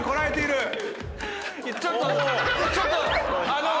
ちょっとちょっとあの。